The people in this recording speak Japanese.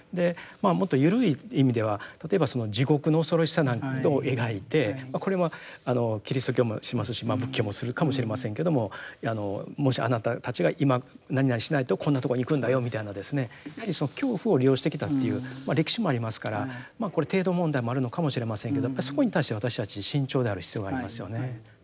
もっと緩い意味では例えば地獄の恐ろしさなんていうことを描いてこれはキリスト教もしますし仏教もするかもしれませんけどももしあなたたちが今なになにしないとこんなとこに行くんだよみたいなですねやはりその恐怖を利用してきたという歴史もありますからこれ程度問題もあるのかもしれませんけどやっぱりそこに対して私たち慎重である必要がありますよね。